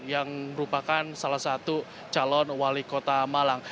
yang merupakan salah satu calon wali kota malang